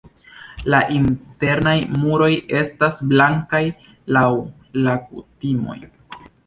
La internaj muroj estas blankaj laŭ la kutimoj.